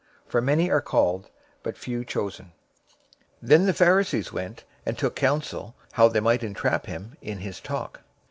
022:014 For many are called, but few chosen." 022:015 Then the Pharisees went and took counsel how they might entrap him in his talk.